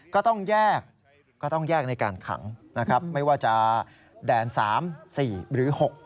ก็ต้องแยกในการขังไม่ว่าจะแดน๓๔หรือ๖